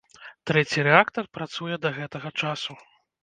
Трэці рэактар працуе да гэтага часу.